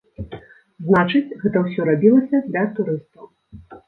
Значыць, гэта ўсё рабілася для турыстаў.